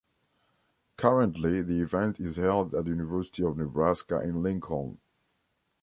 Currently the event is held at the University of Nebraska in Lincoln.